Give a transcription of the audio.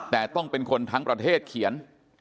แต่ต้องเป็นคนทั้งประเทศเขียน